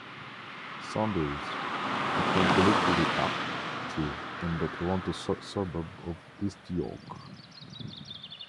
Saunders became politically active in the Toronto suburb of East York.